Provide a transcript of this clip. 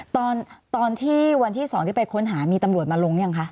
ตอนที่วันที่๒ที่ไปค้นหามีตำรวจมาลงยังคะ